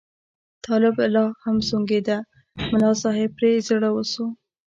طالب لا هم سونګېده، ملا صاحب پرې زړه وسو.